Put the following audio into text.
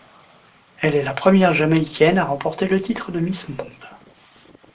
Elle est la première jamaïcaine à remporter le titre de Miss Monde.